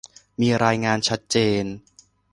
มีรายงานชัดเจน